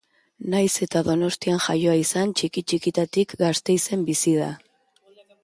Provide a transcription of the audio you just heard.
Nahiz eta Donostian jaioa izan, txiki-txikitatik Gasteizen bizi da.